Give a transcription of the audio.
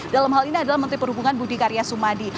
dalam hal ini adalah menteri perhubungan budi karya sumadi